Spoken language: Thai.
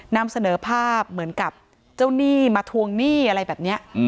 นำเสนอภาพเหมือนกับเจ้าหนี้มาทวงหนี้อะไรแบบนี้